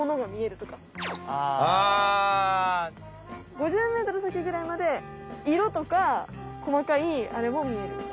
５０ｍ先ぐらいまで色とか細かいあれも見える。